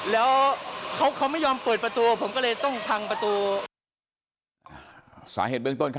แล้วเขาไม่ยอมเปิดประตู